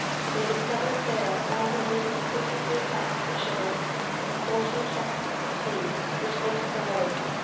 They discovered there one hundred and fifty three sacks of sugar, and forty chests of tea, which they took away.